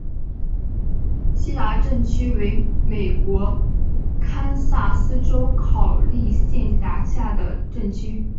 锡达镇区为美国堪萨斯州考利县辖下的镇区。